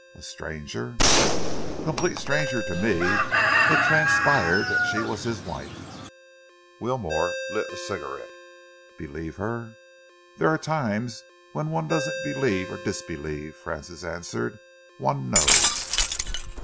"A stranger?" "A complete stranger to me. It transpired that she was his wife." Wilmore lit a cigarette. "Believe her?" "There are times when one doesn't believe or disbelieve," Francis answered. "One knows."